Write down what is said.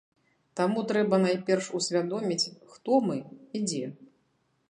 Таму трэба найперш усвядоміць, хто мы і дзе.